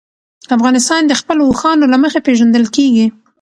افغانستان د خپلو اوښانو له مخې پېژندل کېږي.